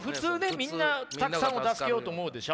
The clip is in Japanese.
みんなたくさんを助けようと思うでしょ？